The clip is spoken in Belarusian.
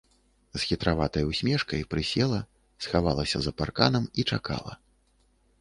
З хітраватай усмешкай прысела, схавалася за парканам і чакала.